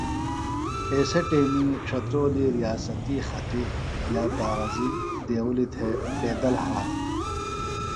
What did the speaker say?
ایسےۡ ٹیمی ڇھترولی ریاستی خطی یا کاغذی دیوُلی تھے پیدل ہارن دےۡ